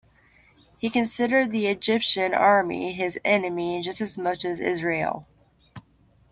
He considered the Egyptian Army his enemy just as much as Israel.